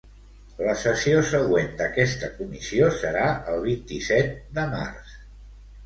La sessió següent d'aquesta comissió serà el vint-i-set de març.